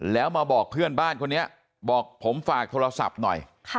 แล้วมาบอกเพื่อนบ้านคนนี้บอกผมฝากโทรศัพท์หน่อย